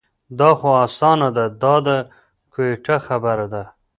دا خو اسانه ده دا د ګویته خبره ده.